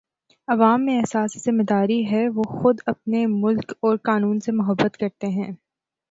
عوام میں احساس ذمہ داری ہے وہ خود اپنے ملک اور قانون سے محبت کرتے ہیں